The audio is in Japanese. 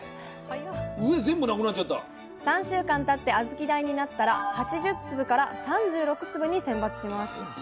３週間たって小豆大になったら８０粒から３６粒に選抜しますえ